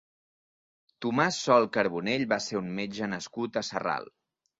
Tomàs Sol Carbonell va ser un metge nascut a Sarral.